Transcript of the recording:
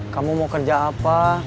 kamu mau kerja apa